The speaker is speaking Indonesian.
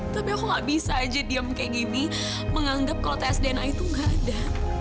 tapi aku gak bisa aja diam kayak gini menganggap kalau tsdna itu gak ada